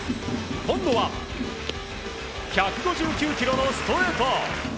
今度は１５９キロのストレート！